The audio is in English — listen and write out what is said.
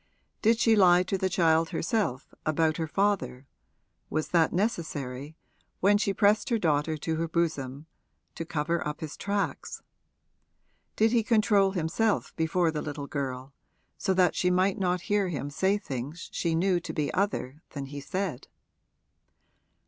Did she lie to the child herself, about her father was that necessary, when she pressed her daughter to her bosom, to cover up his tracks? Did he control himself before the little girl so that she might not hear him say things she knew to be other than he said?